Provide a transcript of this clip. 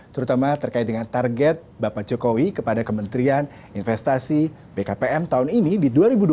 terutama terkait dengan target bapak jokowi kepada kementerian investasi bkpm tahun ini di dua ribu dua puluh